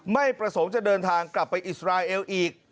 ไม่ประสงค์จะเดินทางกลับไปอิสราเอลอีก